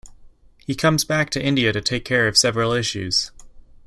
He comes back to India to take care of several issues.